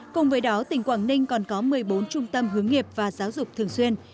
cùng với đó tỉnh quảng ninh còn có một mươi bốn trung tâm hướng nghiệp và giáo dục thường xuyên